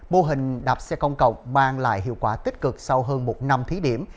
mô hình đạp xe công cộng mang lại hiệu quả tích cực sau hơn một năm thí điểm